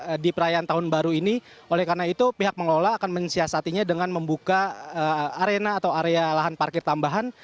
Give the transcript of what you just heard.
dan nanti di perayaan tahun baru ini oleh karena itu pihak pengelola akan menyiasatinya dengan membuka arena atau area lahan parkir tambahan